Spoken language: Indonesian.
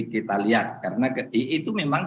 kita lihat karena itu memang